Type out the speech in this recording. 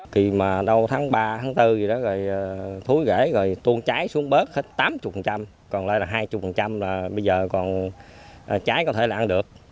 khi mà đầu tháng ba tháng bốn rồi thúi gãy rồi tuôn trái xuống bớt hết tám mươi còn lại là hai mươi là bây giờ còn trái có thể là ăn được